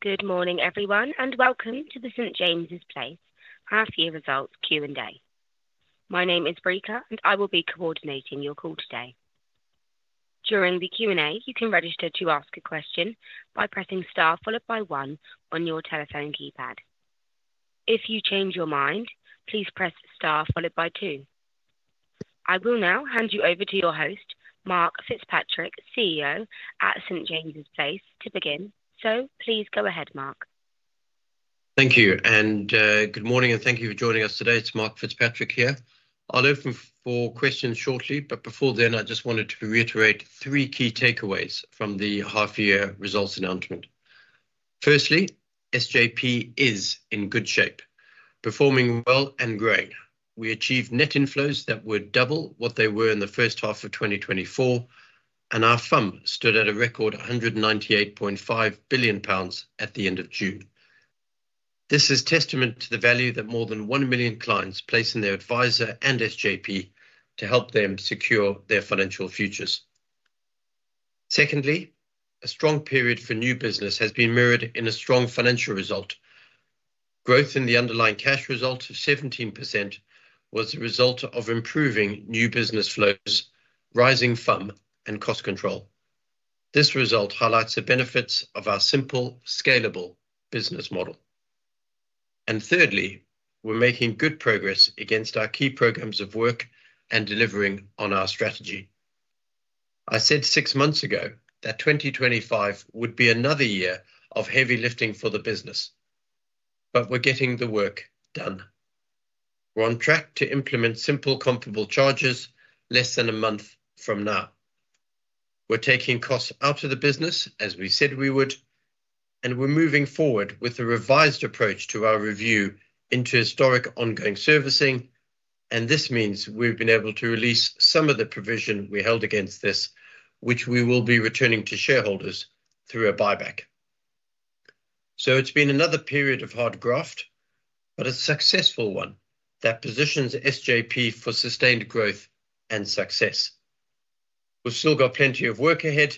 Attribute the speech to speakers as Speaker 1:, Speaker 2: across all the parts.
Speaker 1: Good morning, everyone, and welcome to the St. James's Place half-year results Q&A. My name is Breka, and I will be coordinating your call today. During the Q&A, you can register to ask a question by pressing star followed by one on your telephone keypad. If you change your mind, please press star followed by two. I will now hand you over to your host, Mark FitzPatrick, CEO at St. James's Place, to begin. Please go ahead, Mark.
Speaker 2: Thank you, and good morning, and thank you for joining us today. It's Mark FitzPatrick here. I'll open for questions shortly, but before then, I just wanted to reiterate three key takeaways from the half-year results announcement. Firstly, SJP is in good shape, performing well and growing. We achieved net inflows that were double what they were in the first half of 2024, and our fund stood at a record 198.5 billion pounds at the end of June. This is testament to the value that more than 1 million clients place in their advisor and SJP to help them secure their financial futures. Secondly, a strong period for new business has been mirrored in a strong financial result. Growth in the underlying cash result of 17% was a result of improving new business flows, rising fund, and cost control. This result highlights the benefits of our simple, scalable business model. Thirdly, we're making good progress against our key programs of work and delivering on our strategy. I said six months ago that 2025 would be another year of heavy lifting for the business, but we're getting the work done. We're on track to implement Simple Comparable Charges less than a month from now. We're taking costs out of the business, as we said we would, and we're moving forward with a revised approach to our review into historic ongoing servicing. This means we've been able to release some of the provision we held against this, which we will be returning to shareholders through a buyback. It's been another period of hard growth, but a successful one that positions SJP for sustained growth and success. We've still got plenty of work ahead,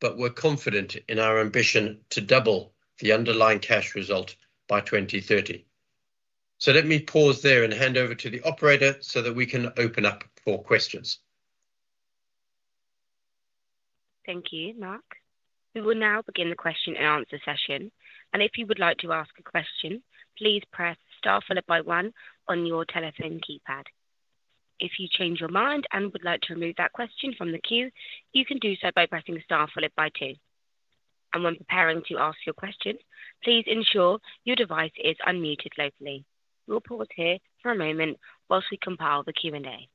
Speaker 2: but we're confident in our ambition to double the underlying cash result by 2030. Let me pause there and hand over to the operator so that we can open up for questions.
Speaker 1: Thank you, Mark. We will now begin the question and answer session. If you would like to ask a question, please press star followed by one on your telephone keypad. If you change your mind and would like to remove that question from the queue, you can do so by pressing star followed by two. When preparing to ask your question, please ensure your device is unmuted locally. We'll pause here for a moment whilst we compile the Q&A.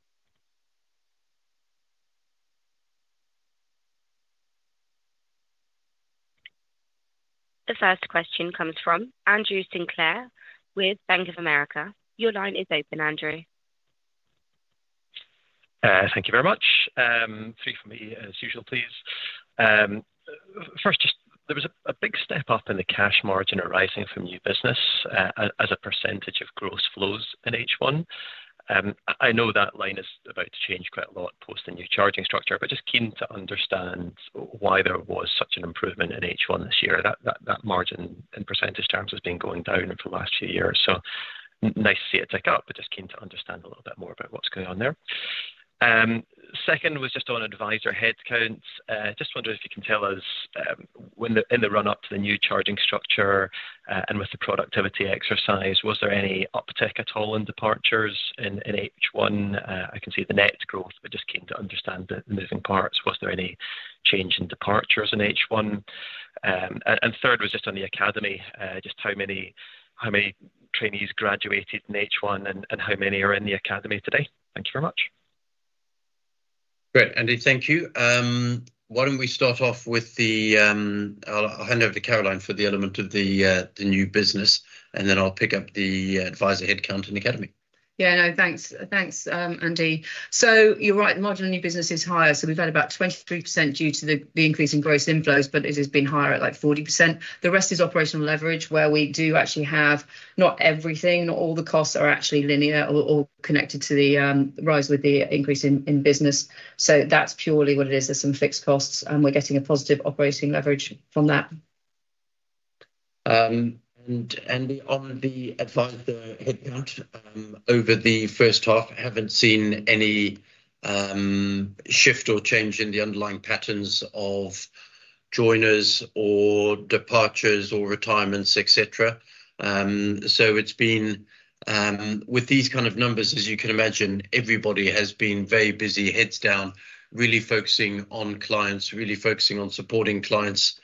Speaker 1: The first question comes from Andrew Sinclair with Bank of America. Your line is open, Andrew.
Speaker 3: Thank you very much. Three for me as usual, please. First, just there was a big step up in the cash margin arising from new business as a % of gross flows in H1. I know that line is about to change quite a lot post the new charging structure, but just keen to understand why there was such an improvement in H1 this year. That margin in % terms has been going down for the last few years, so nice to see it tick up, but just keen to understand a little bit more about what's going on there. Second was just on advisor headcounts. Just wonder if you can tell us when in the run-up to the new charging structure and with the productivity exercise, was there any uptick at all in departures in H1? I can see the net growth, but just keen to understand the moving parts. Was there any change in departures in H1? Third was just on the academy, just how many trainees graduated in H1 and how many are in the academy today? Thank you very much.
Speaker 2: Great, Andy, thank you. Why don't we start off with the I'll hand over to Caroline for the element of the new business, and then I'll pick up the advisor headcount in the academy.
Speaker 4: Yeah, no, thanks, thanks, Andy. You're right, the margin of new business is higher. We've had about 23% due to the increase in gross inflows, but it has been higher at like 40%. The rest is operational leverage where we do actually have not everything, not all the costs are actually linear or connected to the rise with the increase in business. That's purely what it is. There's some fixed costs, and we're getting a positive operating leverage from that.
Speaker 2: Andy, on the advisor headcount over the first half, I haven't seen any shift or change in the underlying patterns of joiners or departures or retirements, etc. It has been with these kind of numbers, as you can imagine, everybody has been very busy, heads down, really focusing on clients, really focusing on supporting clients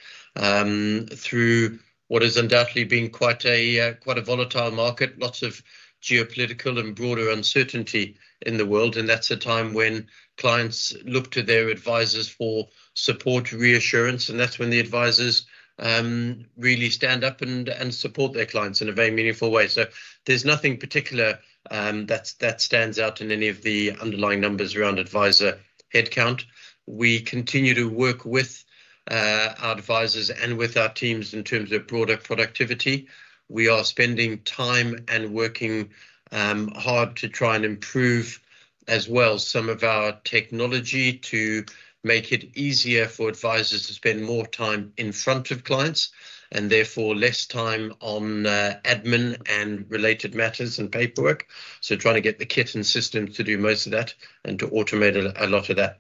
Speaker 2: through what has undoubtedly been quite a volatile market, lots of geopolitical and broader uncertainty in the world. That is a time when clients look to their advisors for support, reassurance, and that is when the advisors really stand up and support their clients in a very meaningful way. There is nothing particular that stands out in any of the underlying numbers around advisor headcount. We continue to work with our advisors and with our teams in terms of broader productivity. We are spending time and working hard to try and improve as well some of our technology to make it easier for advisors to spend more time in front of clients and therefore less time on admin and related matters and paperwork. We are trying to get the kit and system to do most of that and to automate a lot of that.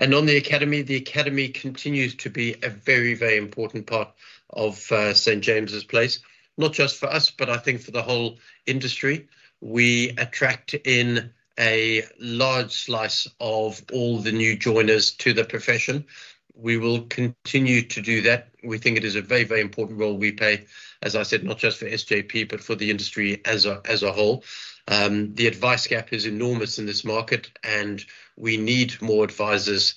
Speaker 2: On the academy, the academy continues to be a very, very important part of St. James's Place, not just for us, but I think for the whole industry. We attract in a large slice of all the new joiners to the profession. We will continue to do that. We think it is a very, very important role we play, as I said, not just for SJP, but for the industry as a whole. The Advice Gap is enormous in this market, and we need more advisors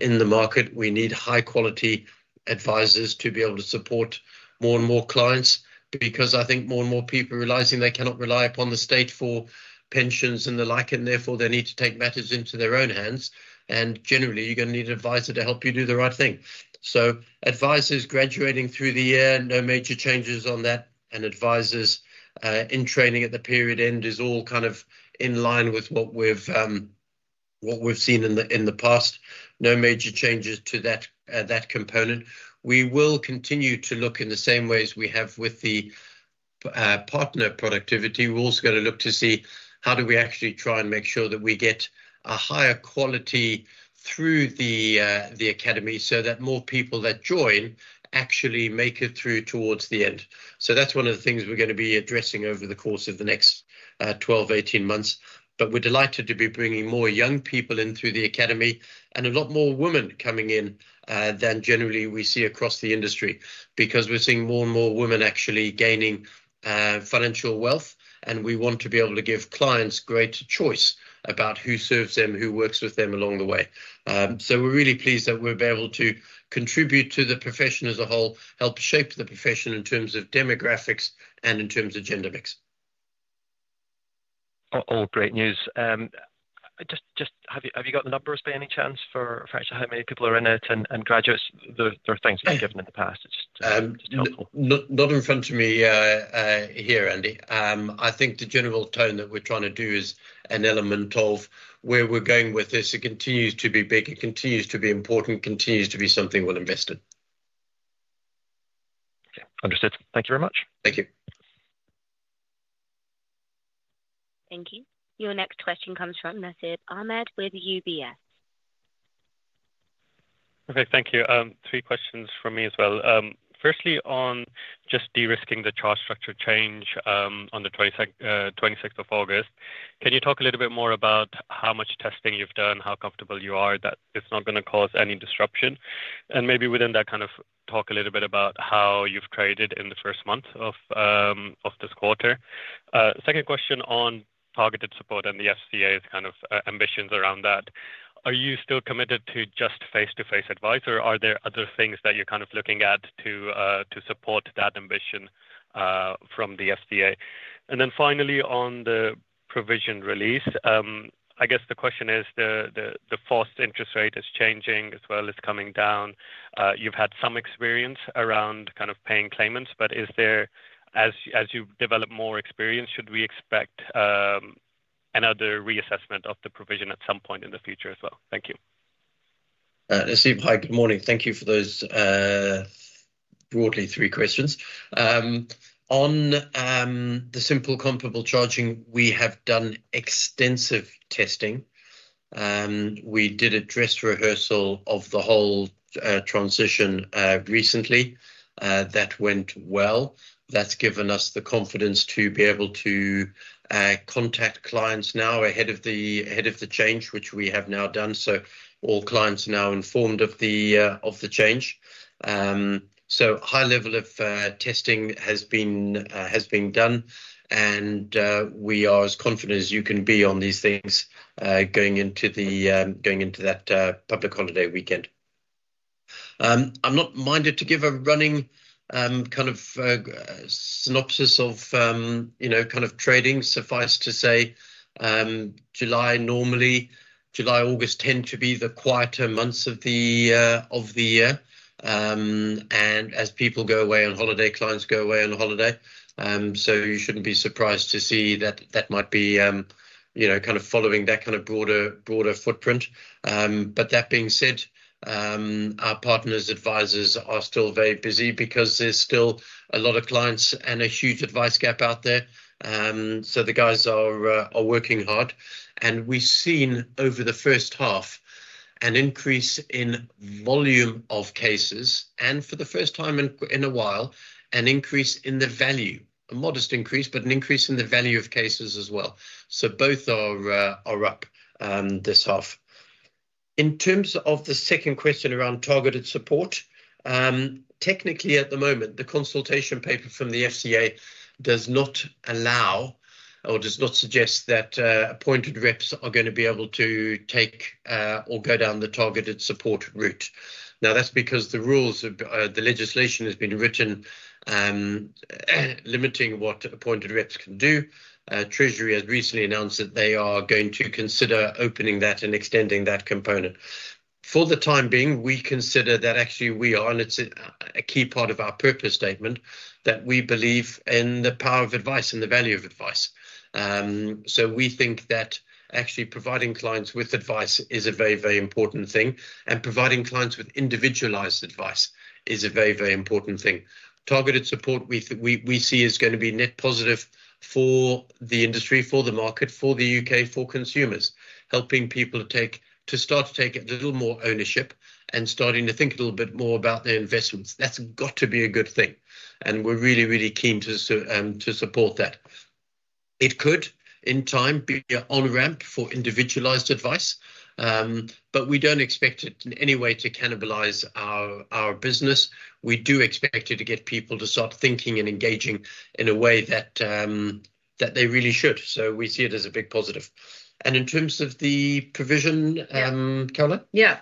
Speaker 2: in the market. We need high-quality advisors to be able to support more and more clients because I think more and more people are realizing they cannot rely upon the state for pensions and the like, and therefore they need to take matters into their own hands. Generally, you're going to need an advisor to help you do the right thing. Advisors graduating through the year, no major changes on that, and advisors in training at the period end is all kind of in line with what we've seen in the past. No major changes to that component. We will continue to look in the same ways we have with the partner productivity. We are also going to look to see how do we actually try and make sure that we get a higher quality through the academy so that more people that join actually make it through towards the end. That is one of the things we are going to be addressing over the course of the next 12 months-18 months. We are delighted to be bringing more young people in through the academy, and a lot more women coming in than generally we see across the industry because we're seeing more and more women actually gaining financial wealth. We want to be able to give clients greater choice about who serves them, who works with them along the way. We are really pleased that we'll be able to contribute to the profession as a whole, help shape the profession in terms of demographics and in terms of gender mix.
Speaker 3: All great news. Do you have the numbers by any chance for actually how many people are in it and graduates? There are things that you've given in the past. It's just helpful.
Speaker 2: Not in front of me here, Andy. I think the general tone that we're trying to do is an element of where we're going with this. It continues to be big, important, and something well invested.
Speaker 3: Okay, understood. Thank you very much.
Speaker 2: Thank you.
Speaker 1: Thank you. Your next question comes from Nasib Ahmed with UBS.
Speaker 5: Okay, thank you. Three questions from me as well. Firstly, on just de-risking the charge structure change on the 26th of August, can you talk a little bit more about how much testing you've done, how comfortable you are that it's not going to cause any disruption? Maybe within that, talk a little bit about how you've traded in the first month of this quarter. Second question on Targeted Support and the FCA's ambitions around that. Are you still committed to just face-to-face advice, or are there other things that you're looking at to support that ambition from the FCA? Finally, on the provision release, I guess the question is the fast interest rate is changing as well as coming down. You've had some experience around paying claimants, but as you develop more experience, should we expect another reassessment of the provision at some point in the future as well? Thank you.
Speaker 2: Let's see. Hi, good morning. Thank you for those broadly three questions. On the Simple Comparable Charging, we have done extensive testing. We did a Dress Rehearsal of the whole transition recently. That went well. That's given us the confidence to be able to contact clients now ahead of the change, which we have now done. All clients are now informed of the change. A high level of testing has been done, and we are as confident as you can be on these things going into that public holiday weekend. I'm not minded to give a running kind of synopsis of, you know, kind of trading, suffice to say July, normally, July, August tend to be the quieter months of the year as people go away on holiday, clients go away on holiday. You shouldn't be surprised to see that that might be, you know, kind of following that kind of broader footprint. That being said, our partners, advisors are still very busy because there's still a lot of clients and a huge Advice Gap out there. The guys are working hard. We've seen over the first half an increase in volume of cases, and for the first time in a while, an increase in the value, a modest increase, but an increase in the value of cases as well. Both are up this half. In terms of the second question around Targeted Support, technically at the moment, the consultation paper from the FCA does not allow or does not suggest that appointed reps are going to be able to take or go down the Targeted Support route. That's because the rules of the legislation have been written limiting what appointed reps can do. Treasury has recently announced that they are going to consider opening that and extending that component. For the time being, we consider that actually we are, and it's a key part of our purpose statement that we believe in the power of advice and the value of advice. We think that actually providing clients with advice is a very, very important thing, and providing clients with individualized advice is a very, very important thing. Targeted Support we see is going to be net positive for the industry, for the market, for the U.K., for consumers, helping people to start to take a little more ownership and starting to think a little bit more about their investments. That's got to be a good thing. We're really, really keen to support that. It could in time be an on-ramp for individualized advice, but we don't expect it in any way to cannibalize our business. We do expect it to get people to start thinking and engaging in a way that they really should. We see it as a big positive. In terms of the provision, Caroline?
Speaker 4: Yeah.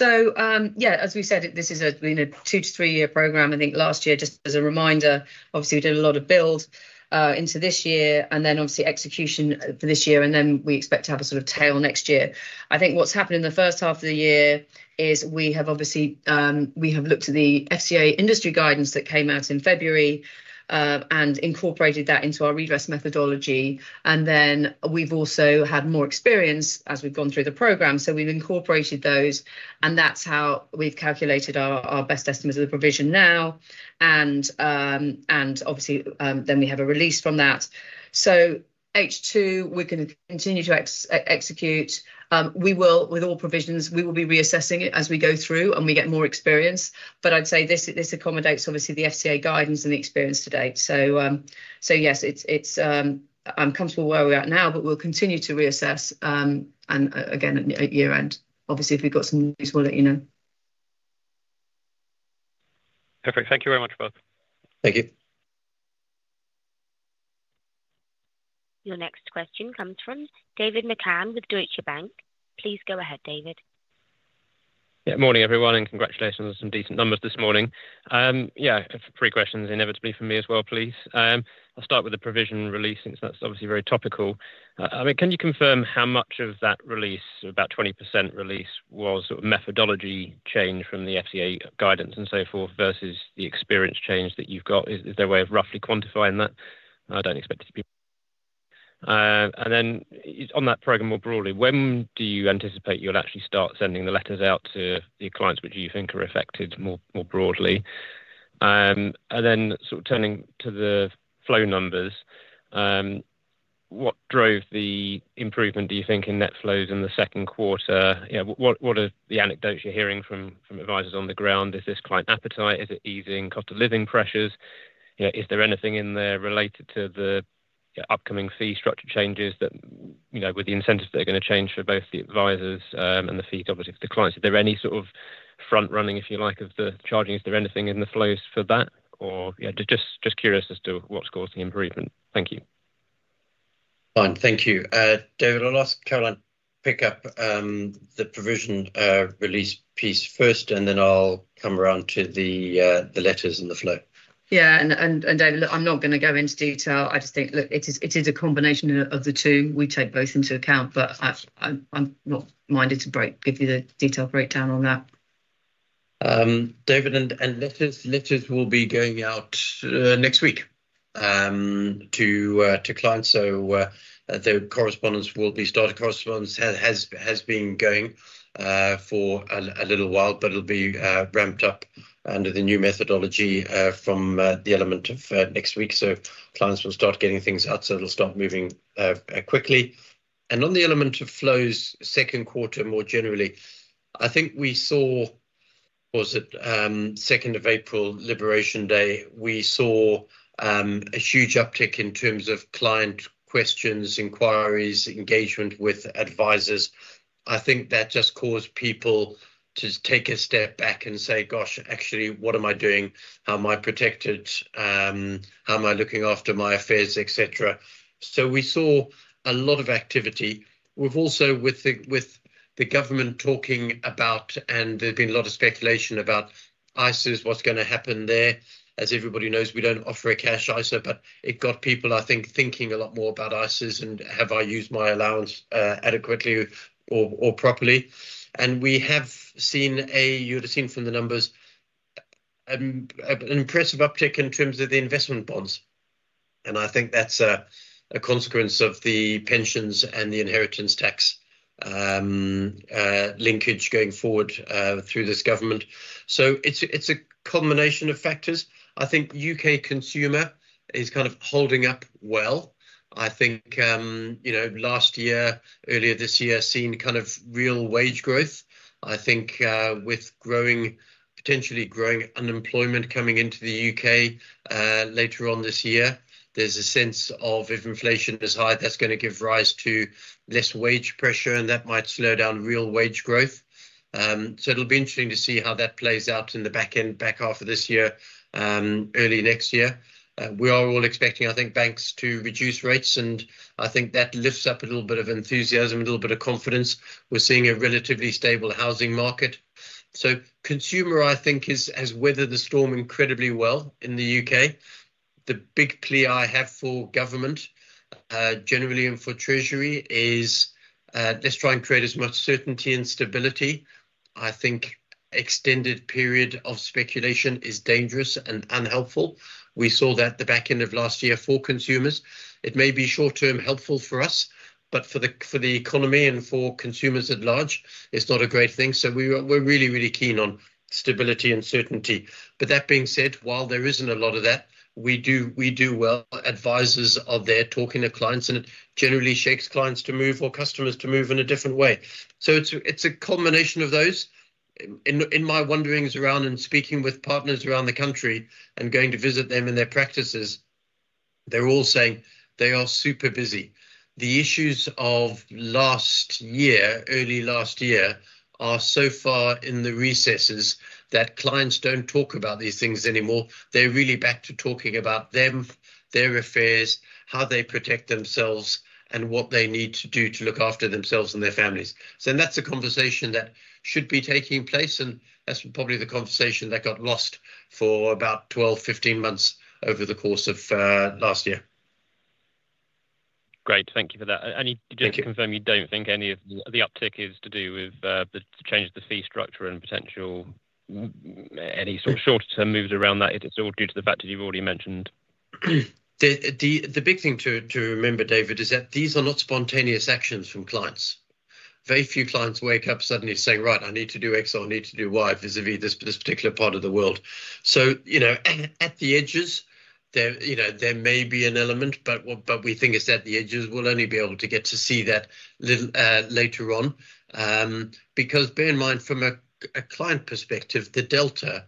Speaker 4: As we said, this has been a two to three-year program. I think last year, just as a reminder, obviously we did a lot of build into this year, and then obviously execution for this year, and we expect to have a sort of tail next year. I think what's happened in the first half of the year is we have obviously looked at the FCA industry guidance that came out in February and incorporated that into our redress methodology. We've also had more experience as we've gone through the program. We've incorporated those, and that's how we've calculated our best estimates of the provision now. Obviously, then we have a release from that. H2, we're going to continue to execute. With all provisions, we will be reassessing it as we go through and we get more experience. I'd say this accommodates obviously the FCA guidance and the experience to date. Yes, I'm comfortable where we are now, but we'll continue to reassess. At year-end, obviously, if we've got some news, we'll let you know.
Speaker 5: Perfect. Thank you very much, both.
Speaker 2: Thank you.
Speaker 1: Your next question comes from David McCann with Deutsche Bank. Please go ahead, David.
Speaker 6: Good morning, everyone, and congratulations on some decent numbers this morning. Three questions inevitably for me as well, please. I'll start with the provision release, since that's obviously very topical. Can you confirm how much of that release, about 20% release, was sort of methodology change from the FCA guidance and so forth versus the experience change that you've got? Is there a way of roughly quantifying that? I don't expect it to be. On that program more broadly, when do you anticipate you'll actually start sending the letters out to the clients which you think are affected more broadly? Turning to the flow numbers, what drove the improvement, do you think, in net flows in the second quarter? What are the anecdotes you're hearing from advisors on the ground? Is this client appetite? Is it easing cost of living pressures? Is there anything in there related to the upcoming fee structure changes that, you know, with the incentives that are going to change for both the advisors and the fees, obviously, for the clients? Is there any sort of front-running, if you like, of the charging? Is there anything in the flows for that? Just curious as to what's causing improvement. Thank you.
Speaker 2: Fine. Thank you. David, I'll ask Caroline to pick up the provision release piece first, and then I'll come around to the letters and the flow.
Speaker 4: Yeah, David, look, I'm not going to go into detail. I just think, look, it is a combination of the two. We take both into account, but I'm not minded to give you the detailed breakdown on that.
Speaker 2: David, and letters will be going out next week to clients. The correspondence will be started. Correspondence has been going for a little while, but it'll be ramped up under the new methodology from the element of next week. Clients will start getting things out, so it'll start moving quickly. On the element of flows, second quarter, more generally, I think we saw, was it 2nd of April, Liberation Day, we saw a huge uptick in terms of client questions, inquiries, engagement with advisors. I think that just caused people to take a step back and say, "Gosh, actually, what am I doing? How am I protected? How am I looking after my affairs, etc.?" We saw a lot of activity. We've also, with the government talking about, and there's been a lot of speculation about ISAs, what's going to happen there. As everybody knows, we don't offer a cash ISA, but it got people, I think, thinking a lot more about ISAs and have I used my allowance adequately or properly? We have seen a, you'd have seen from the numbers, an impressive uptick in terms of the investment bonds. I think that's a consequence of the pensions and the inheritance tax linkage going forward through this government. It's a combination of factors. I think U.K. consumer is kind of holding up well. Last year, earlier this year, seen kind of real wage growth. I think with growing, potentially growing unemployment coming into the U.K. later on this year, there's a sense of if inflation is high, that's going to give rise to less wage pressure, and that might slow down real wage growth. It'll be interesting to see how that plays out in the back end, back half of this year, early next year. We are all expecting, I think, banks to reduce rates, and I think that lifts up a little bit of enthusiasm, a little bit of confidence. We're seeing a relatively stable housing market. Consumer, I think, has weathered the storm incredibly well in the U.K. The big plea I have for government generally and for Treasury is let's try and create as much certainty and stability. I think an extended period of speculation is dangerous and unhelpful. We saw that at the back end of last year for consumers. It may be short-term helpful for us, but for the economy and for consumers at large, it's not a great thing. We're really, really keen on stability and certainty. That being said, while there isn't a lot of that, we do well. Advisors are there talking to clients, and it generally shakes clients to move or customers to move in a different way. It is a combination of those. In my wanderings around and speaking with partners around the country and going to visit them and their practices, they're all saying they are super busy. The issues of last year, early last year, are so far in the recesses that clients don't talk about these things anymore. They're really back to talking about them, their affairs, how they protect themselves, and what they need to do to look after themselves and their families. That is a conversation that should be taking place, and that's probably the conversation that got lost for about 12, 15 months over the course of last year.
Speaker 6: Great. Thank you for that. You did just confirm you don't think any of the uptick is to do with the change of the fee structure and potential any sort of shorter-term moves around that. It's all due to the fact that you've already mentioned.
Speaker 2: The big thing to remember, David, is that these are not spontaneous actions from clients. Very few clients wake up suddenly saying, "Right, I need to do X or I need to do Y vis-à-vis this particular part of the world." At the edges, there may be an element, but we think it's at the edges. We'll only be able to get to see that a little later on. Bear in mind, from a client perspective, the delta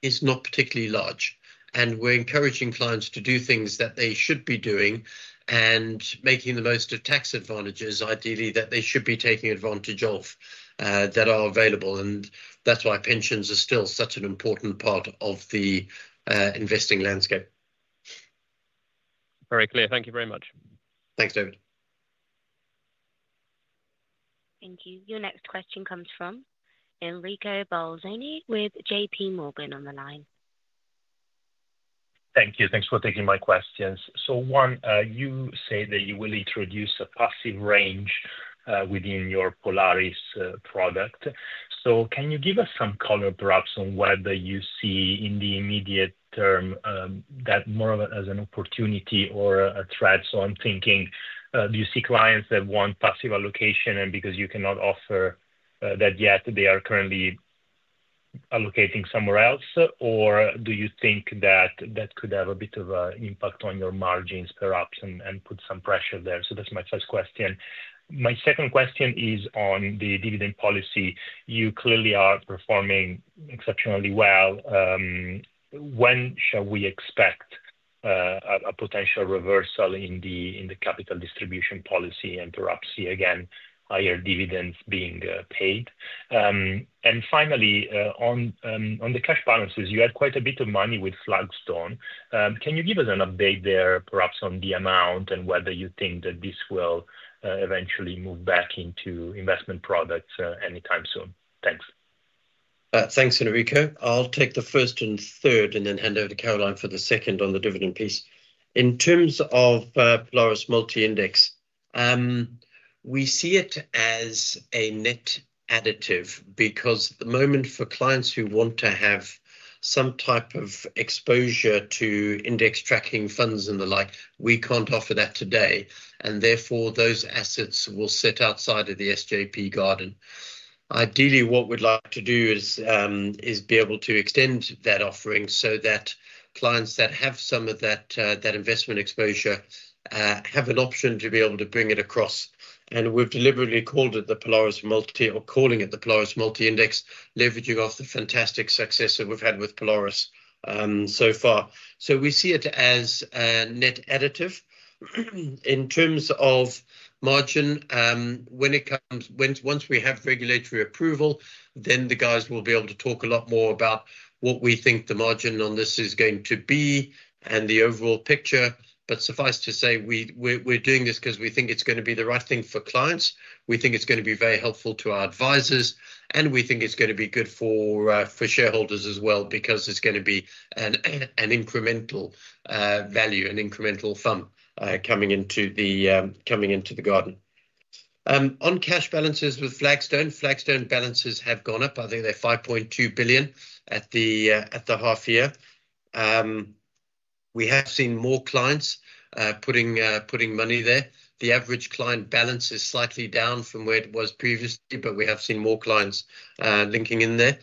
Speaker 2: is not particularly large. We're encouraging clients to do things that they should be doing and making the most of tax advantages, ideally, that they should be taking advantage of that are available. That's why pensions are still such an important part of the investing landscape.
Speaker 6: Very clear. Thank you very much.
Speaker 2: Thanks, David.
Speaker 1: Thank you. Your next question comes from Enrico Bolzoni with JPMorgan on the line.
Speaker 7: Thank you. Thanks for taking my questions. Juan, you said that you will introduce a passive range within your Polaris product. Can you give us some color, perhaps, on whether you see in the immediate term that more of it as an opportunity or a threat? I'm thinking, do you see clients that want passive allocation and because you cannot offer that yet, they are currently allocating somewhere else, or do you think that could have a bit of an impact on your margins, perhaps, and put some pressure there? That's my first question. My second question is on the dividend policy. You clearly are performing exceptionally well. When shall we expect a potential reversal in the capital distribution policy and perhaps see again higher dividends being paid? Finally, on the cash balances, you had quite a bit of money with Flagstone. Can you give us an update there, perhaps, on the amount and whether you think that this will eventually move back into investment products anytime soon? Thanks.
Speaker 2: Thanks, Enrico. I'll take the first and third and then hand over to Caroline for the second on the dividend piece. In terms of Polaris Multi-Index, we see it as a net additive because at the moment for clients who want to have some type of exposure to index tracking funds and the like, we can't offer that today. Therefore, those assets will sit outside of the SJP garden. Ideally, what we'd like to do is be able to extend that offering so that clients that have some of that investment exposure have an option to be able to bring it across. We've deliberately called it the Polaris Multi or calling it the Polaris Multi-Index, leveraging off the fantastic success that we've had with Polaris so far. We see it as a net additive. In terms of margin, when it comes, once we have regulatory approval, the guys will be able to talk a lot more about what we think the margin on this is going to be and the overall picture. Suffice to say, we're doing this because we think it's going to be the right thing for clients. We think it's going to be very helpful to our advisors, and we think it's going to be good for shareholders as well because it's going to be an incremental value, an incremental thumb coming into the garden. On cash balances with Flagstone, Flagstone balances have gone up. I think they're 5.2 billion at the half year. We have seen more clients putting money there. The average client balance is slightly down from where it was previously, but we have seen more clients linking in there.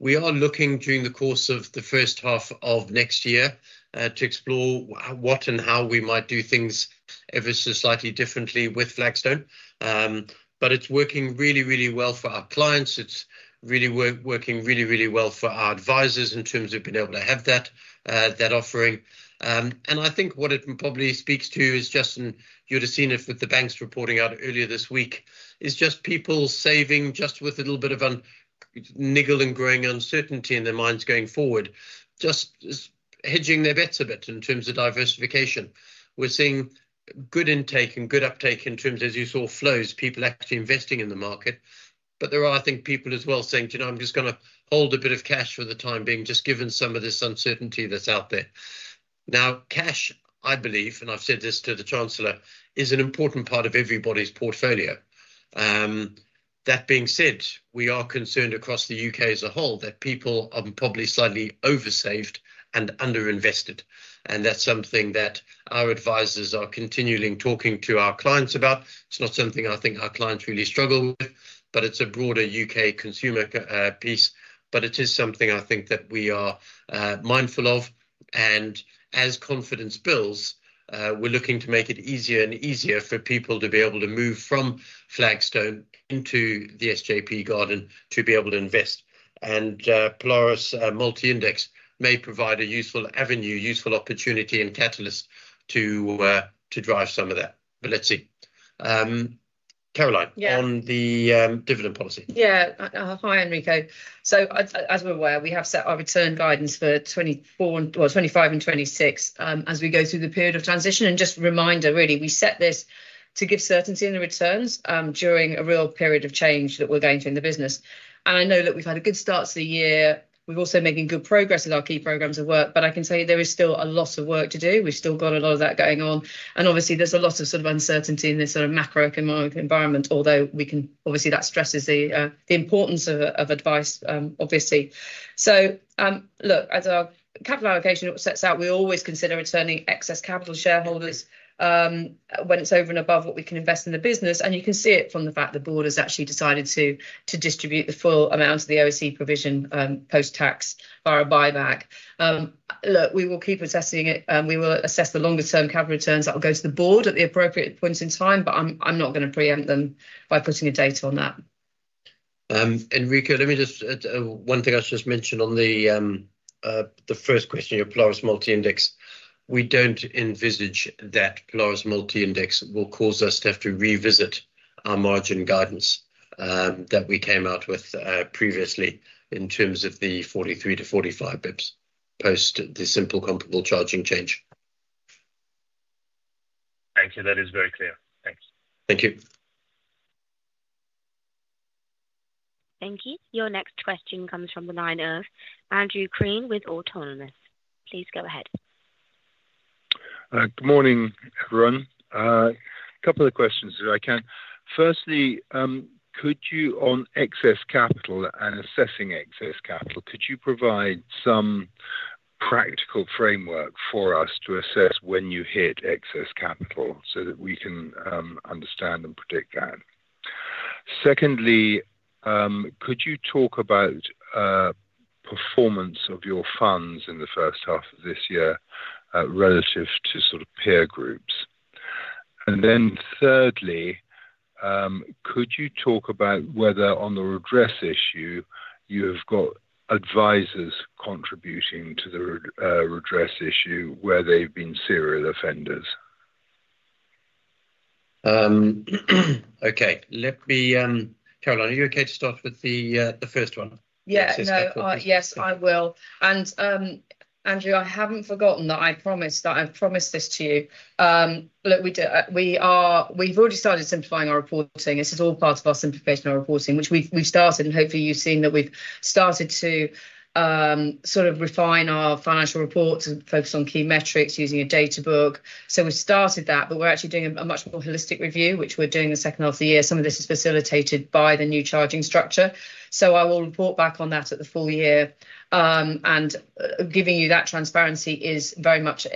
Speaker 2: We are looking during the course of the first half of next year to explore what and how we might do things ever so slightly differently with Flagstone. It's working really, really well for our clients. It's really working really, really well for our advisors in terms of being able to have that offering. I think what it probably speaks to is just, and you'd have seen it with the banks reporting out earlier this week, people saving just with a little bit of a niggle and growing uncertainty in their minds going forward, just hedging their bets a bit in terms of diversification. We're seeing good intake and good uptake in terms of, as you saw, flows, people actually investing in the market. There are, I think, people as well saying, "You know, I'm just going to hold a bit of cash for the time being, just given some of this uncertainty that's out there." Now, cash, I believe, and I've said this to the Chancellor, is an important part of everybody's portfolio. That being said, we are concerned across the U.K. as a whole that people are probably slightly oversaved and underinvested. That's something that our advisors are continually talking to our clients about. It's not something I think our clients really struggle with, but it's a broader U.K. consumer piece. It is something I think that we are mindful of. As confidence builds, we're looking to make it easier and easier for people to be able to move from Flagstone into the SJP garden to be able to invest. Polaris Multi-Index may provide a useful avenue, useful opportunity, and catalyst to drive some of that. Let's see. Caroline, on the dividend policy.
Speaker 4: Yeah. Hi, Enrico. As we're aware, we have set our return guidance for 2024 and, 2025 and 2026 as we go through the period of transition. Just a reminder, we set this to give certainty in the returns during a real period of change that we're going through in the business. I know that we've had a good start to the year. We're also making good progress with our key programs of work, but I can tell you there is still a lot of work to do. We've still got a lot of that going on. Obviously, there's a lot of uncertainty in this macroeconomic environment, although that stresses the importance of advice, obviously. As our capital allocation sets out, we always consider returning excess capital to shareholders when it's over and above what we can invest in the business. You can see it from the fact that the board has actually decided to distribute the full amount of the OEC provision post-tax via a buyback. We will keep assessing it, and we will assess the longer-term capital returns that will go to the board at the appropriate points in time, but I'm not going to preempt them by putting a date on that.
Speaker 2: Enrico, let me just add one thing I just mentioned on the first question, your Polaris Multi-Index. We don't envisage that Polaris Multi-Index will cause us to have to revisit our margin guidance that we came out with previously in terms of the 43 bps-45 bps post the Simple Comparable Charging change.
Speaker 7: Thank you. That is very clear. Thanks.
Speaker 2: Thank you.
Speaker 1: Thank you. Your next question comes from the line of Andrew Crean with Autonomous Research. Please go ahead.
Speaker 8: Good morning, everyone. A couple of questions if I can. Firstly, could you, on excess capital and assessing excess capital, provide some practical framework for us to assess when you hit excess capital so that we can understand and predict that? Secondly, could you talk about the performance of your funds in the first half of this year relative to sort of peer groups? Thirdly, could you talk about whether on the redress issue you have got advisors contributing to the redress issue where they've been serial offenders?
Speaker 2: Okay. Caroline, are you okay to start with the first one?
Speaker 4: Yes, yes, I will. Andrew, I haven't forgotten that I promised this to you. Look, we've already started simplifying our reporting. This is all part of our simplification of our reporting, which we've started, and hopefully, you've seen that we've started to sort of refine our financial reports and focus on key metrics using a data book. We've started that, but we're actually doing a much more holistic review, which we're doing the second half of the year. Some of this is facilitated by the new charging structure. I will report back on that at the full year. Giving you that transparency is very much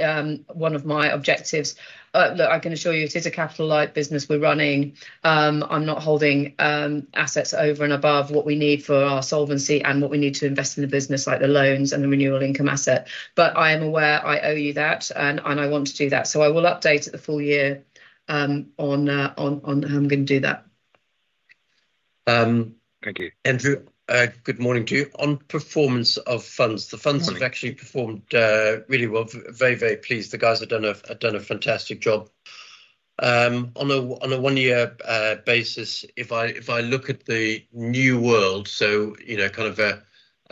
Speaker 4: one of my objectives. I can assure you it is a capital-light business we're running. I'm not holding assets over and above what we need for our solvency and what we need to invest in the business, like the loans and the Renewal Income Asset. I am aware I owe you that, and I want to do that. I will update at the full year on how I'm going to do that.
Speaker 8: Thank you.
Speaker 2: Andrew, good morning to you. On performance of funds, the funds have actually performed really well. Very, very pleased. The guys have done a fantastic job. On a one-year basis, if I look at the new world, so you know, kind of a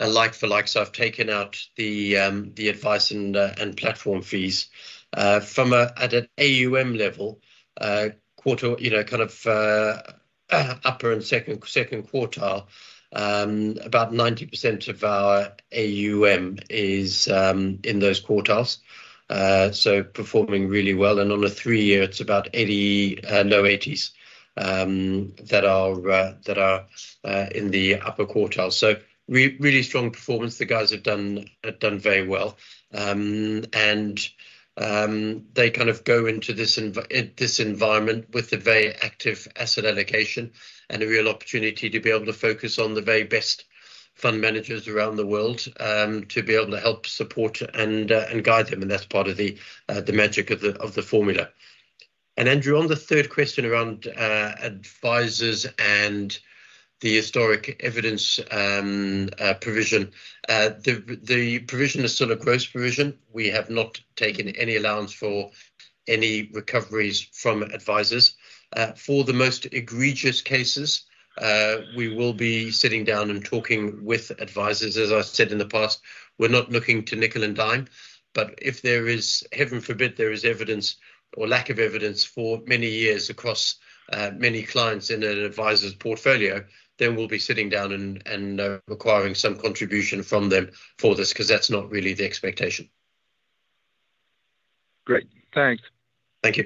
Speaker 2: like-for-like, I have taken out the advice and platform fees. From an AUM level, quarter, you know, kind of upper and second quartile, about 90% of our AUM is in those quartiles. Performing really well. On a three-year, it's about 80%, low 80%s that are in the upper quartile. Really strong performance. The guys have done very well. They go into this environment with a very active asset allocation and a real opportunity to be able to focus on the very best fund managers around the world to be able to help support and guide them. That is part of the magic of the formula. Andrew, on the third question around advisors and the historic evidence provision, the provision is still a gross provision. We have not taken any allowance for any recoveries from advisors. For the most egregious cases, we will be sitting down and talking with advisors. As I've said in the past, we're not looking to nickel and dime. If there is, heaven forbid, there is evidence or lack of evidence for many years across many clients in an advisor's portfolio, we will be sitting down and requiring some contribution from them for this because that's not really the expectation.
Speaker 8: Great. Thanks.
Speaker 2: Thank you.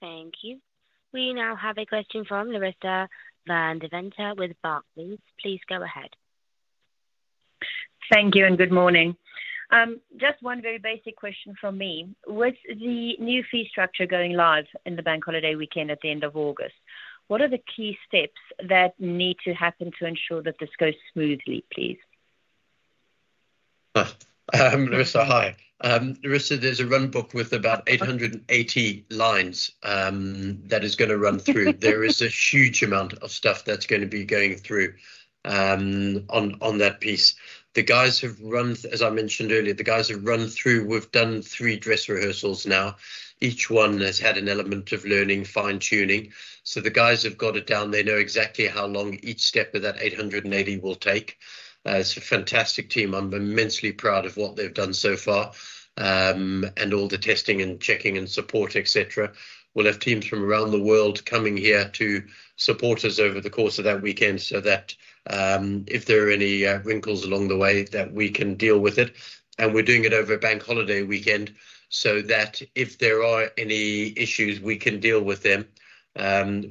Speaker 1: Thank you. We now have a question from Larissa van Deventer with Barclays. Please go ahead.
Speaker 9: Thank you and good morning. Just one very basic question from me. With the new fee structure going live in the bank holiday weekend at the end of August, what are the key steps that need to happen to ensure that this goes smoothly, please?
Speaker 2: Larissa, hi. Larissa, there's a runbook with about 880 lines that is going to run through. There is a huge amount of stuff that's going to be going through on that piece. The guys have run, as I mentioned earlier, the guys have run through, we've done three Dress Rehearsals now. Each one has had an element of learning, fine-tuning. The guys have got it down. They know exactly how long each step of that 880 will take. It's a fantastic team. I'm immensely proud of what they've done so far and all the testing and checking and support, etc. We'll have teams from around the world coming here to support us over the course of that weekend. If there are any wrinkles along the way, we can deal with it. We're doing it over a bank holiday weekend so that if there are any issues, we can deal with them.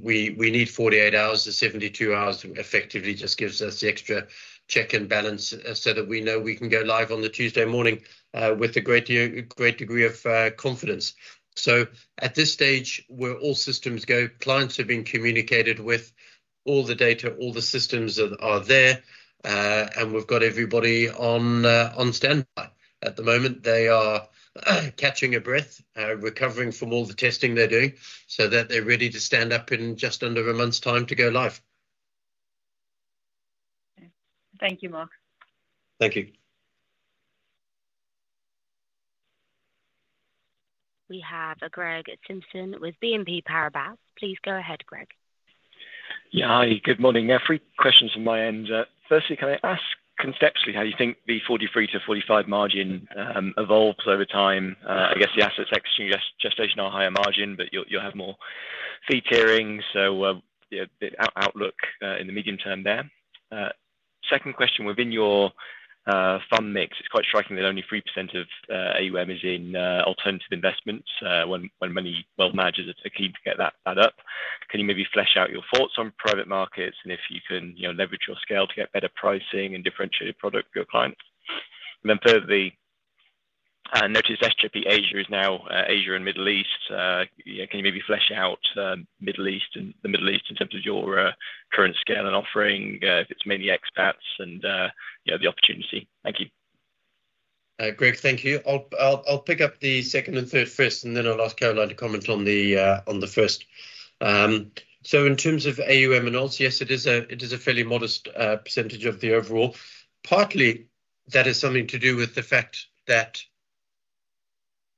Speaker 2: We need 48 hours-72 hours. It effectively just gives us the extra check and balance so that we know we can go live on the Tuesday morning with a great degree of confidence. At this stage, we're all systems go. Clients have been communicated with all the data, all the systems that are there, and we've got everybody on standby at the moment. They are catching a breath, recovering from all the testing they're doing so that they're ready to stand up in just under a month's time to go live.
Speaker 9: Thank you, Mark.
Speaker 2: Thank you.
Speaker 1: We have Greg Simpson with BNP Paribas. Please go ahead, Greg.
Speaker 10: Yeah, hi. Good morning, everyone. Questions from my end. Firstly, can I ask conceptually how you think the 43%-45% margin evolves over time? I guess the assets exchange gestation are higher margin, but you'll have more fee tiering. The outlook in the medium term there. Second question, within your fund mix, it's quite striking that only 3% of AUM is in alternative investments when many wealth managers are keen to get that up. Can you maybe flesh out your thoughts on private markets and if you can leverage your scale to get better pricing and differentiate your product for your clients? Thirdly, notice SJP Asia is now Asia and Middle East. Can you maybe flesh out the Middle East in terms of your current scale and offering, if it's mainly expats, and the opportunity? Thank you.
Speaker 2: Greg, thank you. I'll pick up the second and third first, and then I'll ask Caroline to comment on the first. In terms of AUM and all, yes, it is a fairly modest % of the overall. Partly, that has something to do with the fact that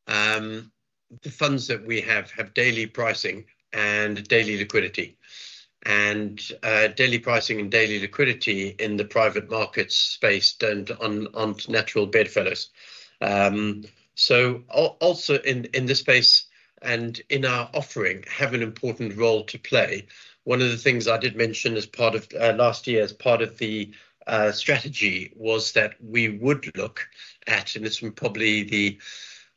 Speaker 2: the funds that we have have daily pricing and daily liquidity. Daily pricing and daily liquidity in the private market space aren't natural bedfellows. Also, in this space and in our offering, have an important role to play. One of the things I did mention as part of last year as part of the strategy was that we would look at, and this is probably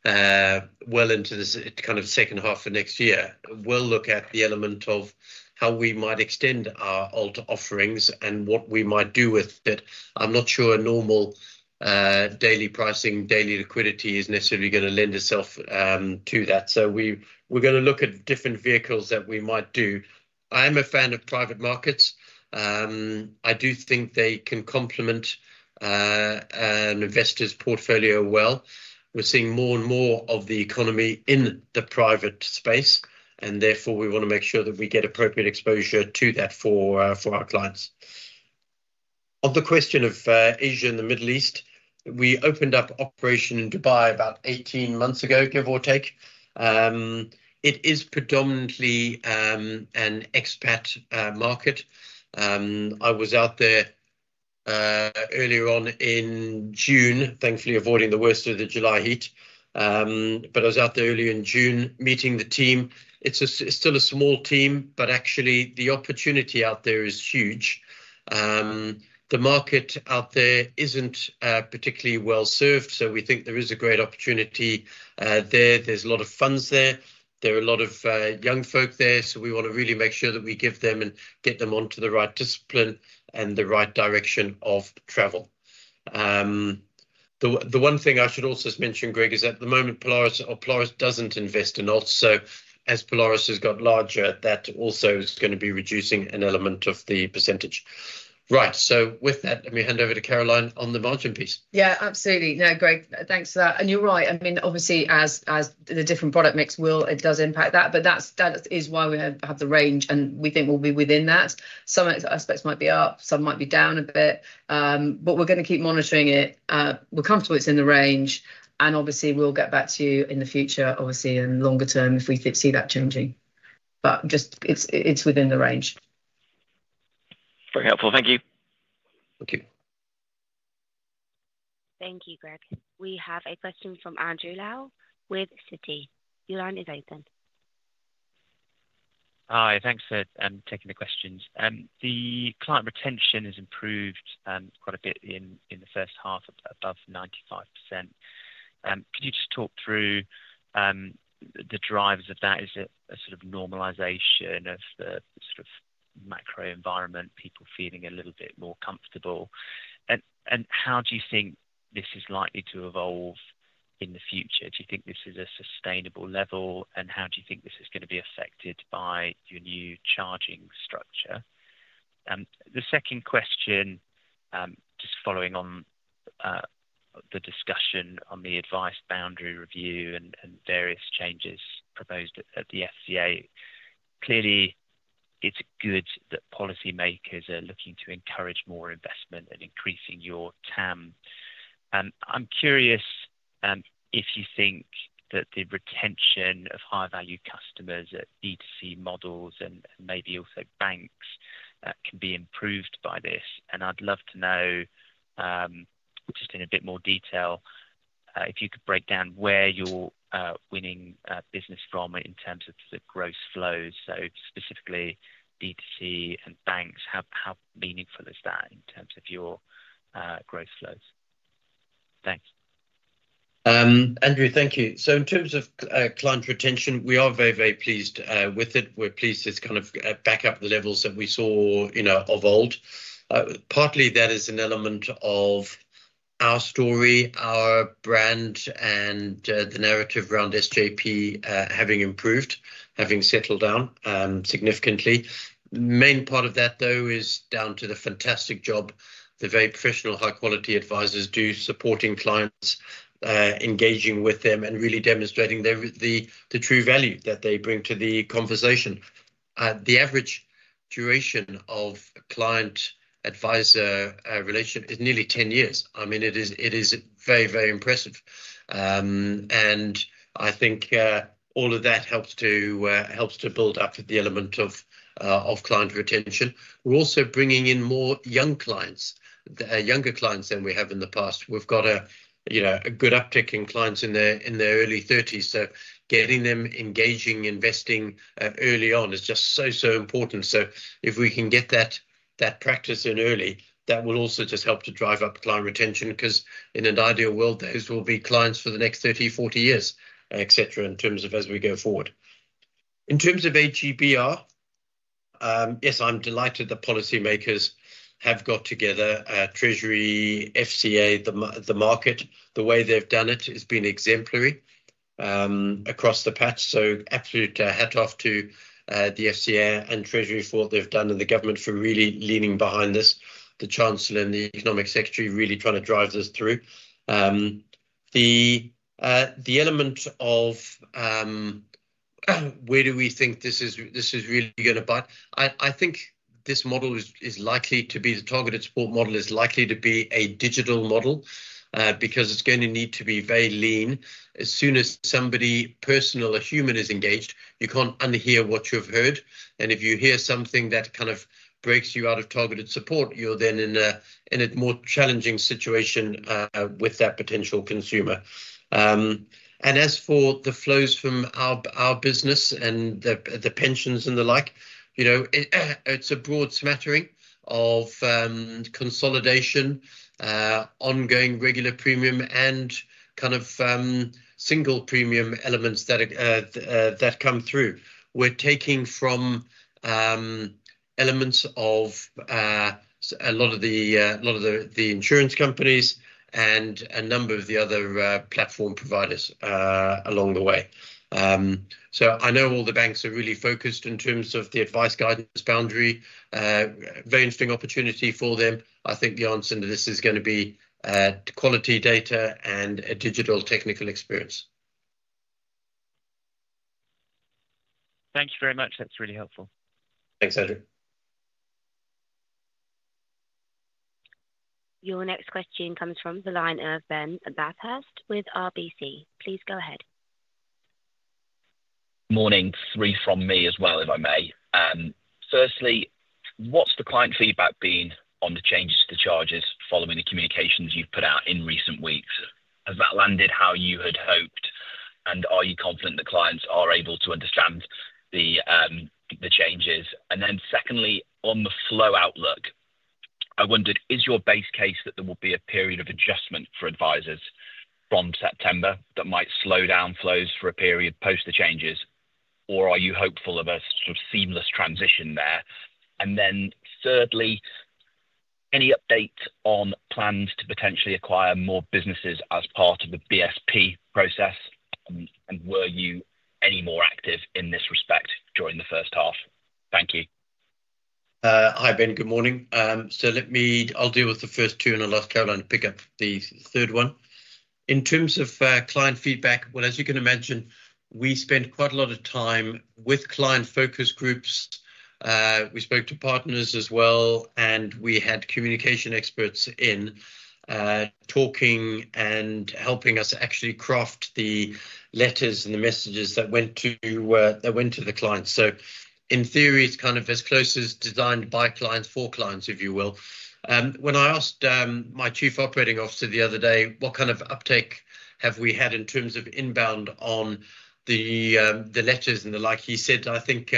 Speaker 2: well into this kind of second half of next year, we'll look at the element of how we might extend our offerings and what we might do with it. I'm not sure a normal daily pricing, daily liquidity is necessarily going to lend itself to that. We're going to look at different vehicles that we might do. I am a fan of private markets. I do think they can complement an investor's portfolio well. We're seeing more and more of the economy in the private space, and therefore, we want to make sure that we get appropriate exposure to that for our clients. On the question of Asia and the Middle East, we opened up operation in Dubai about 18 months ago, give or take. It is predominantly an expat market. I was out there earlier on in June, thankfully avoiding the worst of the July heat. I was out there early in June, meeting the team. It's still a small team, but actually, the opportunity out there is huge. The market out there isn't particularly well-served, so we think there is a great opportunity there. There's a lot of funds there. There are a lot of young folk there, so we want to really make sure that we give them and get them onto the right discipline and the right direction of travel. The one thing I should also mention, Greg, is at the moment, Polaris doesn't invest in all. As Polaris has got larger, that also is going to be reducing an element of the %. Right. With that, let me hand over to Caroline on the margin piece.
Speaker 4: Yeah, absolutely. No, Greg, thanks for that. You're right. Obviously, as the different product mix will, it does impact that. That is why we have the range, and we think we'll be within that. Some aspects might be up, some might be down a bit. We're going to keep monitoring it. We're comfortable it's in the range. We'll get back to you in the future, obviously, in the longer term if we see that changing. It's within the range.
Speaker 10: Very helpful. Thank you.
Speaker 2: Thank you.
Speaker 1: Thank you, Greg. We have a question from Andrew Lau with Citi. Your line is open.
Speaker 11: Hi, thanks for taking the questions. The client retention has improved quite a bit in the first half, above 95%. Could you just talk through the drivers of that? Is it a sort of normalisation of the sort of macro environment, people feeling a little bit more comfortable? How do you think this is likely to evolve in the future? Do you think this is a sustainable level, and how do you think this is going to be affected by your new charging structure? The second question, just following on the discussion on the advice boundary review and various changes proposed at the FCA, clearly, it's good that policymakers are looking to encourage more investment and increasing your TAM. I'm curious if you think that the retention of high-value customers at B2C models and maybe also banks can be improved by this. I'd love to know just in a bit more detail if you could break down where you're winning business from in terms of the gross flows. Specifically, B2C and banks, how meaningful is that in terms of your gross flows? Thanks.
Speaker 2: Andrew, thank you. In terms of client retention, we are very, very pleased with it. We're pleased it's kind of back up to the levels that we saw of old. Partly, that is an element of our story, our brand, and the narrative around SJP having improved, having settled down significantly. The main part of that, though, is down to the fantastic job the very professional, high-quality advisors do, supporting clients, engaging with them, and really demonstrating the true value that they bring to the conversation. The average duration of client-advisor relationship is nearly 10 years. It is very, very impressive. I think all of that helps to build up the element of client retention. We're also bringing in more young clients, younger clients than we have in the past. We've got a good uptick in clients in their early 30s. Getting them engaging, investing early on is just so, so important. If we can get that practice in early, that will also just help to drive up client retention because in an ideal world, those will be clients for the next 30, 40 years, etc., as we go forward. In terms of AGBR, yes, I'm delighted that policymakers have got together, Treasury, FCA, the market. The way they've done it has been exemplary across the patch. Absolute hat off to the FCA and Treasury for what they've done, and the government for really leaning behind this, the Chancellor and the Economic Secretary really trying to drive this through. The element of where do we think this is really going to bite? I think this model is likely to be the Targeted Support model, is likely to be a digital model because it's going to need to be very lean. As soon as somebody personal, a human is engaged, you can't unhear what you've heard. If you hear something that kind of breaks you out of Targeted Support, you're then in a more challenging situation with that potential consumer. As for the flows from our business and the pensions and the like, it's a broad smattering of consolidation, ongoing regular premium, and kind of single premium elements that come through. We're taking from elements of a lot of the insurance companies and a number of the other platform providers along the way. I know all the banks are really focused in terms of the advice guidance boundary. Very interesting opportunity for them. I think the answer to this is going to be quality data and a digital technical experience.
Speaker 11: Thank you very much. That's really helpful.
Speaker 2: Thanks, Andrew.
Speaker 1: Your next question comes from the line of Ben Bathurst with RBC. Please go ahead.
Speaker 12: Morning. Three from me as well, if I may. Firstly, what's the client feedback been on the changes to charges following the communications you've put out in recent weeks? Has that landed how you had hoped? Are you confident that clients are able to understand the changes? Secondly, on the flow outlook, I wondered, is your base case that there will be a period of adjustment for advisors from September that might slow down flows for a period post the changes? Are you hopeful of a sort of seamless transition there? Thirdly, any updates on plans to potentially acquire more businesses as part of the BSP process? Were you any more active in this respect during the first half? Thank you.
Speaker 2: Hi, Ben. Good morning. Let me deal with the first two and I'll ask Caroline to pick up the third one. In terms of client feedback, as you can imagine, we spent quite a lot of time with client focus groups. We spoke to partners as well, and we had communication experts in talking and helping us actually craft the letters and the messages that went to the clients. In theory, it's kind of as close as designed by clients for clients, if you will. When I asked my Chief Operating Officer the other day what kind of uptake have we had in terms of inbound on the letters and the like, he said, "I think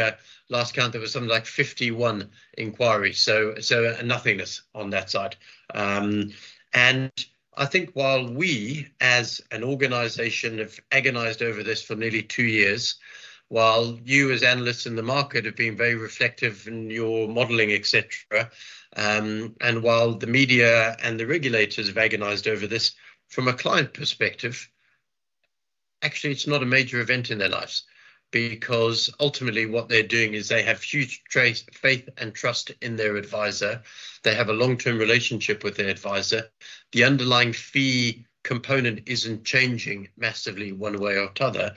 Speaker 2: last count there was something like 51 inquiries." Nothingness on that side. I think while we, as an organization, have agonized over this for nearly two years, while you as analysts in the market have been very reflective in your modeling, etc., and while the media and the regulators have agonized over this, from a client perspective, actually, it's not a major event in their lives because ultimately, what they're doing is they have huge faith and trust in their advisor. They have a long-term relationship with their advisor. The underlying fee component isn't changing massively one way or the other.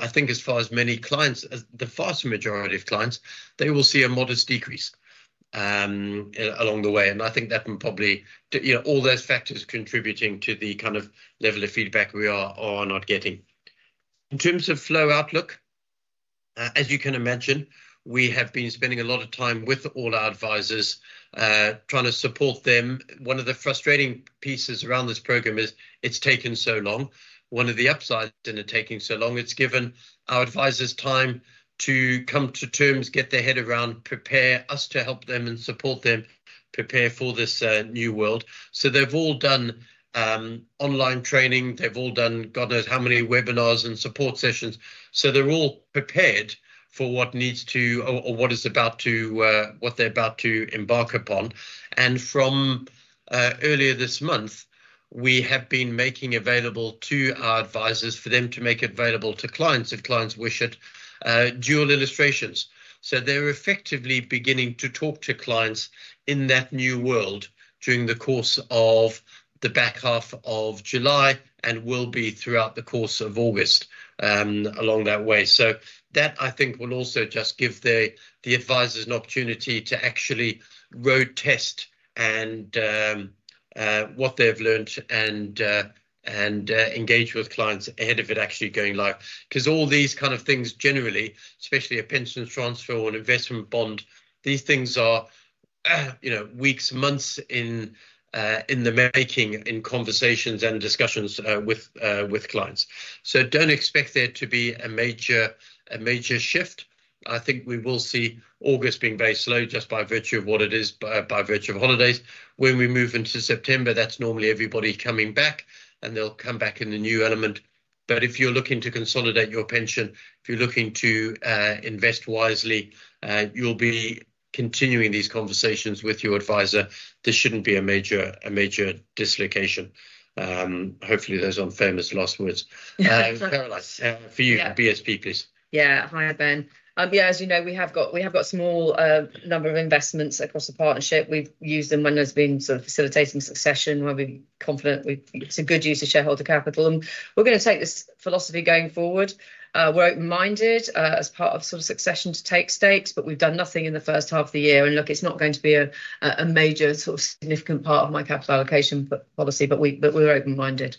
Speaker 2: I think as far as many clients, the vast majority of clients, they will see a modest decrease along the way. I think that can probably, you know, all those factors contributing to the kind of level of feedback we are or are not getting. In terms of flow outlook, as you can imagine, we have been spending a lot of time with all our advisors, trying to support them. One of the frustrating pieces around this program is it's taken so long. One of the upsides in it taking so long, it's given our advisors time to come to terms, get their head around, prepare us to help them and support them, prepare for this new world. They've all done online training. They've all done, God knows how many webinars and support sessions. They're all prepared for what needs to or what is about to what they're about to embark upon. From earlier this month, we have been making available to our advisors for them to make available to clients if clients wish it, dual illustrations. They're effectively beginning to talk to clients in that new world during the course of the back half of July and will be throughout the course of August along that way. That, I think, will also just give the advisors an opportunity to actually road-test what they've learned and engage with clients ahead of it actually going live. All these kind of things generally, especially a pension transfer or an investment bond, these things are, you know, weeks, months in the making in conversations and discussions with clients. Do not expect there to be a major shift. I think we will see August being very slow just by virtue of what it is, by virtue of holidays. When we move into September, that's normally everybody coming back, and they'll come back in the new element. If you're looking to consolidate your pension, if you're looking to invest wisely, you'll be continuing these conversations with your advisor. This shouldn't be a major dislocation. Hopefully, those aren't famous last words.
Speaker 12: Thanks, Caroline.
Speaker 2: For you, BSP, please.
Speaker 4: Hi, Ben. As you know, we have got a small number of investments across a partnership. We've used them when there's been sort of facilitating succession where we're confident it's a good use of shareholder capital. We're going to take this philosophy going forward. We're open-minded as part of sort of succession to take stakes, but we've done nothing in the first half of the year. It's not going to be a major significant part of my capital allocation policy, but we're open-minded.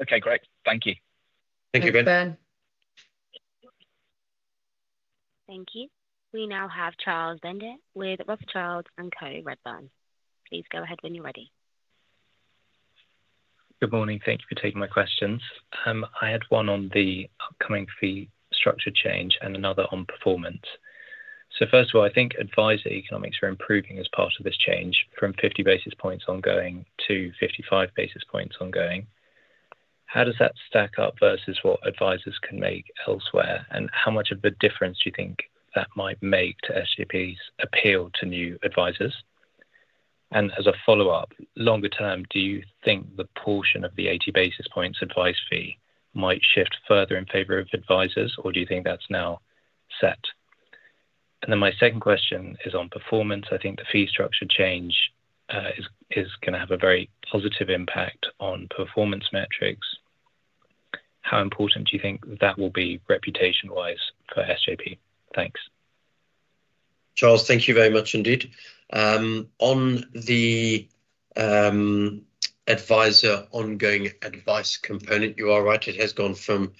Speaker 12: Okay, great. Thank you.
Speaker 2: Thank you, Ben.
Speaker 4: Thank you, Ben.
Speaker 1: Thank you. We now have Charles Bendit with Rothschild & Co Redburn. Please go ahead when you're ready.
Speaker 13: Good morning. Thank you for taking my questions. I had one on the upcoming fee structure change and another on performance. First of all, I think advisor economics are improving as part of this change from 50 bps ongoing to 55 bps ongoing. How does that stack up versus what advisors can make elsewhere? How much of a difference do you think that might make to SJP's appeal to new advisors? As a follow-up, longer term, do you think the portion of the 80 bps advice fee might shift further in favor of advisors, or do you think that's now set? My second question is on performance. I think the fee structure change is going to have a very positive impact on performance metrics. How important do you think that will be reputation-wise for SJP? Thanks.
Speaker 2: Charles, thank you very much indeed. On the advisor ongoing advice component, you are right. It has gone from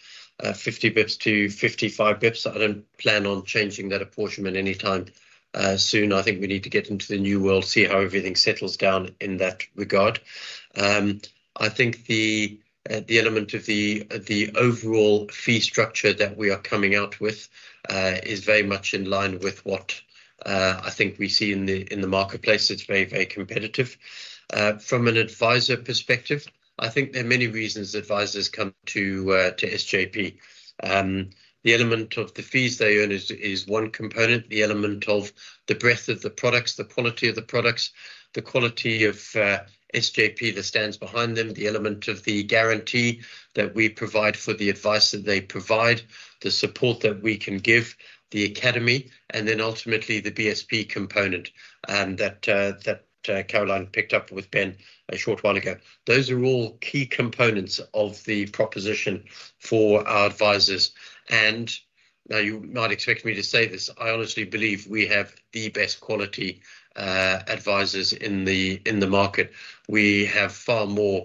Speaker 2: 50 bps-55 bps. I don't plan on changing that apportionment anytime soon. I think we need to get into the new world, see how everything settles down in that regard. I think the element of the overall fee structure that we are coming out with is very much in line with what I think we see in the marketplace. It's very, very competitive. From an advisor perspective, I think there are many reasons advisors come to SJP. The element of the fees they earn is one component, the element of the breadth of the products, the quality of the products, the quality of SJP that stands behind them, the element of the guarantee that we provide for the advice that they provide, the support that we can give, the academy, and ultimately the BSP component that Caroline picked up with Ben a short while ago. Those are all key components of the proposition for our advisors. You might expect me to say this. I honestly believe we have the best quality advisors in the market. We have far more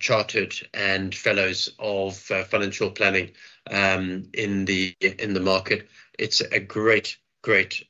Speaker 2: chartered and fellows of financial planning in the market. It's a great, great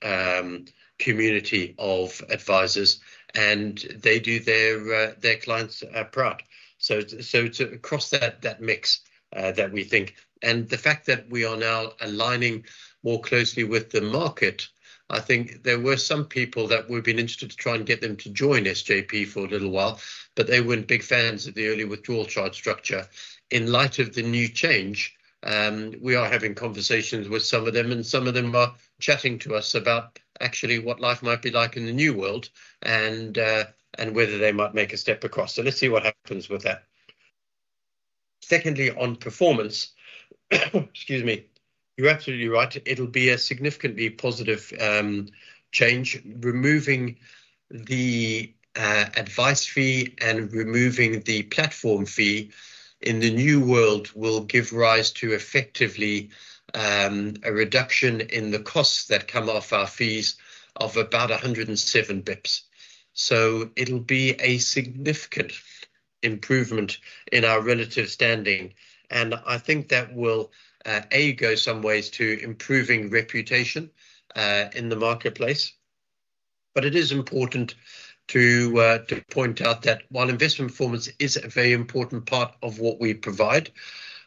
Speaker 2: community of advisors, and they do their clients proud. It's across that mix that we think. The fact that we are now aligning more closely with the market, I think there were some people that would have been interested to try and get them to join SJP for a little while, but they weren't big fans of the early withdrawal charge structure. In light of the new change, we are having conversations with some of them, and some of them are chatting to us about actually what life might be like in the new world and whether they might make a step across. Let's see what happens with that. On performance, you're absolutely right. It'll be a significantly positive change. Removing the advice fee and removing the platform fee in the new world will give rise to effectively a reduction in the costs that come off our fees of about 107 bps. It'll be a significant improvement in our relative standing. I think that will, A, go some ways to improving reputation in the marketplace. It is important to point out that while investment performance is a very important part of what we provide,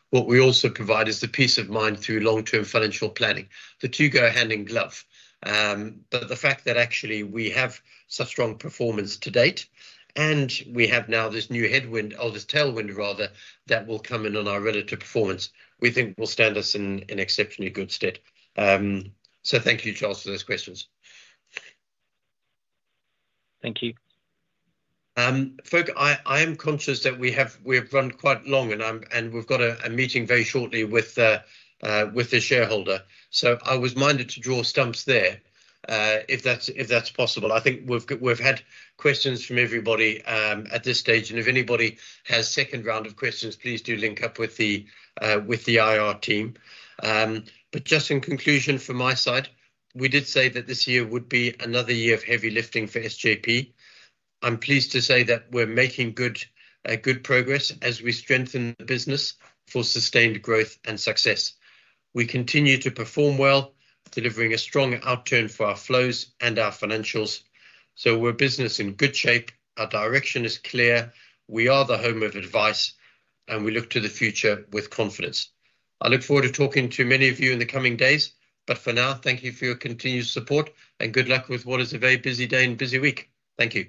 Speaker 2: what we also provide is the peace of mind through long-term financial planning. The two go hand in glove. The fact that actually we have such strong performance to date, and we have now this new headwind, or this tailwind rather, that will come in on our relative performance, we think will stand us in exceptionally good stead. Thank you, Charles, for those questions.
Speaker 13: Thank you.
Speaker 2: Folk, I am conscious that we have run quite long, and we've got a meeting very shortly with the shareholder. I was minded to draw stumps there if that's possible. I think we've had questions from everybody at this stage, and if anybody has a second round of questions, please do link up with the IR team. Just in conclusion, from my side, we did say that this year would be another year of heavy lifting for SJP. I'm pleased to say that we're making good progress as we strengthen the business for sustained growth and success. We continue to perform well, delivering a strong outturn for our flows and our financials. We're a business in good shape. Our direction is clear. We are the home of advice, and we look to the future with confidence. I look forward to talking to many of you in the coming days. For now, thank you for your continued support, and good luck with what is a very busy day and busy week. Thank you.